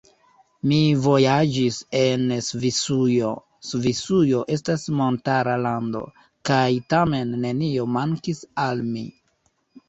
Mi vojaĝis en Svisujo; Svisujo estas montara lando, kaj tamen nenio mankis al mi.